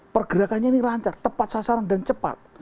pergerakannya ini lancar tepat sasaran dan cepat